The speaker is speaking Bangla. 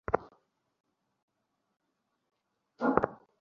পেয়েছি তোমাকে, সনিক।